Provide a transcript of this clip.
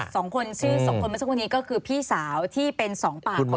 สองคนชื่อสองคนมาสักวันนี้ก็คือพี่สาวที่เป็นสองปากของโจทย์